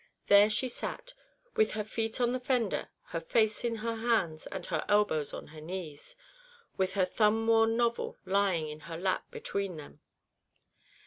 There she sat, with her feet on the fender, her face on her hands, and her elbows on her knees, with her thumb worn novel lying in her lap between them.